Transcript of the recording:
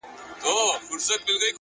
اخلاق د انسان د باور ژبه ده’